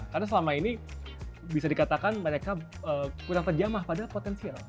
karena selama ini bisa dikatakan mereka kurang terjamah padahal potensial